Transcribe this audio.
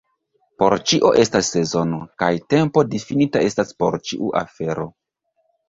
Por ĉio estas sezono, kaj tempo difinita estas por ĉiu afero.